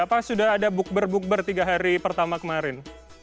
apa sudah ada bukber bukber tiga hari pertama kemarin